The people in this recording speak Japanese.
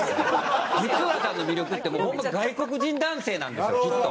光浦さんの魅力ってホンマ外国人男性なんですよきっと。